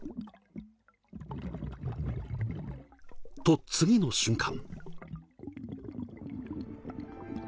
と次の瞬間。